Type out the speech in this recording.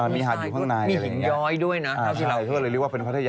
มีหาดอยู่ข้างใน